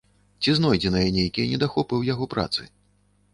Ці знойдзеныя нейкія недахопы ў яго працы?